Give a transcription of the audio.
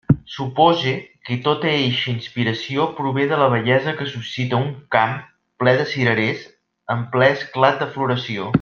Supose que tota eixa inspiració prové de la bellesa que suscita un camp ple de cirerers en ple esclat de floració.